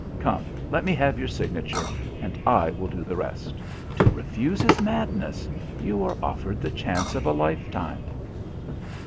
Come, let me have your signature, and I will do the rest. To refuse is madness. You are offered the chance of a lifetime."